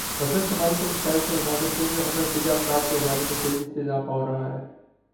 مردم شماری کے نتائج کے مطابق چین میں عمر رسیدہ افراد کی آبادی میں تیزی سے اضافہ ہو رہا ہے